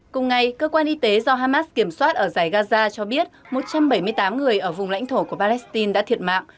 cùng ngày cơ quan y tế do hamas kiểm soát ở giải gaza cho biết một trăm bảy mươi tám người ở vùng lãnh thổ của palestine đã thiệt mạng